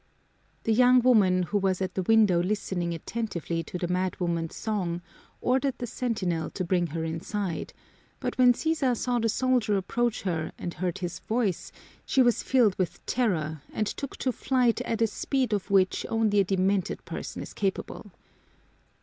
The young woman who was at the window listening attentively to the madwoman's song ordered the sentinel to bring her inside, but when Sisa saw the soldier approach her and heard his voice she was filled with terror and took to flight at a speed of which only a demented person is capable.